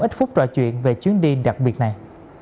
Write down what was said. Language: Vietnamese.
ít phút trò chuyện về chuyến đi đặc biệt này